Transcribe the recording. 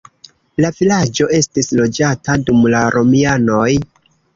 La vilaĝo estis loĝata dum la romianoj.